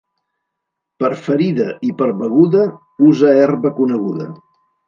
Per ferida i per beguda usa herba coneguda.